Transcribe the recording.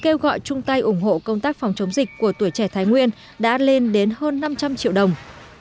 kêu gọi chung tay ủng hộ công tác phòng chống dịch của tuổi trẻ thái nguyên đã lên đến hơn năm trăm linh triệu đồng